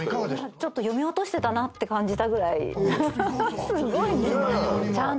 ちょっと読み落としてたなって感じたぐらいすごいね。